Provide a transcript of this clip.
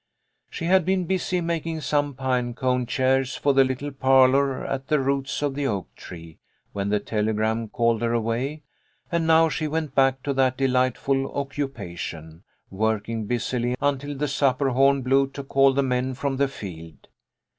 She had been busy making some pine cone chairs for the little parlour at the roots of the oak tree, when the tele gram called her away, and now she went back to that delightful occupation, working busily until the supper horn blew to call the men from the field.